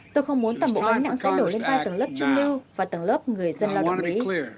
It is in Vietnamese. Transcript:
tôi không muốn tầm nhìn gánh nặng xét đổi lên vai tầng lớp trung lưu và tầng lớp người dân lo đồng mỹ